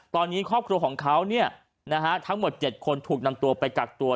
ตอนนี้ครอบครัวของเขาทั้งหมด๗คนถูกนำตัวไปกักตัว